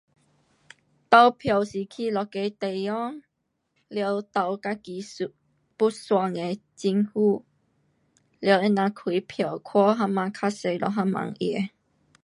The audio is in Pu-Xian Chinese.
投票是一个地方，然后投自己属部省政府，然后他们开票看谁比较多，谁就赢